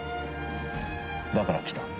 だから来た。